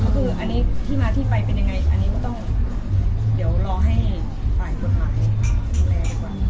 ก็คืออันนี้ที่มาที่ไปเป็นยังไงอันนี้ก็ต้องเดี๋ยวรอให้ฝ่ายกฎหมายดูแลก่อน